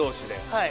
はい。